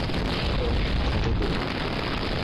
ڇڏي ڏي.